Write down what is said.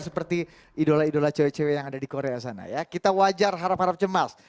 seperti idola idola cewek cewek yang ada di korea sana ya kita wajar harap harap cemas